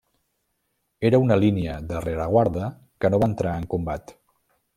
Era una línia de rereguarda que no va entrar en combat.